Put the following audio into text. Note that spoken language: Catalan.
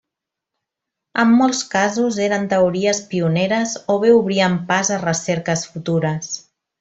En molts casos eren teories pioneres o bé obrien pas a recerques futures.